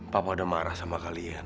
papa pada marah sama kalian